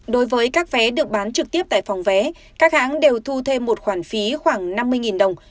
đối với các vé được bán trực tiếp tại phòng vé các hãng đều thu thêm một khoản phí khoảng năm mươi đồng